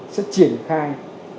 sẽ triển khai